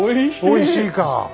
おいしいか。